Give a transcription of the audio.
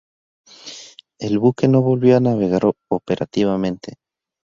El buque no volvió a navegar operativamente.